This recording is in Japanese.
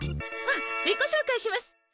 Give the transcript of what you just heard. あ自己紹介します！